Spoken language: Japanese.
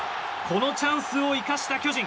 このチャンスを生かした巨人。